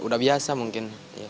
ya udah biasa mungkin